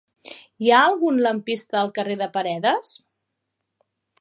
Hi ha algun lampista al carrer de Paredes?